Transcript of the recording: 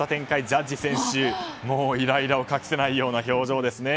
ジャッジ選手、もうイライラを隠せないような表情ですね。